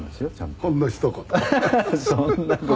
「ほんのひと言？」